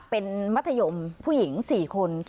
เป็นมัธยมผู้หญิง๔คน